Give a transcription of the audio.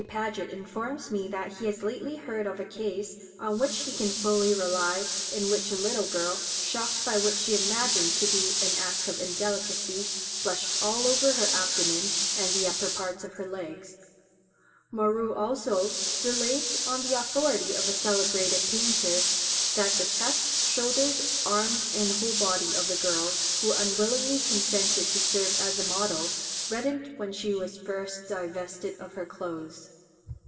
Paget informs me that he has lately heard of a case, on which he can fully rely, in which a little girl, shocked by what she imagined to be an act of indelicacy, blushed all over her abdomen and the upper parts of her legs. Moreau also relates, on the authority of a celebrated painter, that the chest, shoulders, arms, and whole body of a girl, who unwillingly consented to serve as a model, reddened when she was first divested of her clothes.